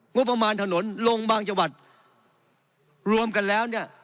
งบประมาณถนนลงบางจังหวัดรวมกันแล้วเนี่ย